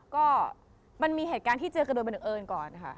ก็มันมีเหตุการณ์ที่เจอกันโดยบังเอิญก่อนค่ะ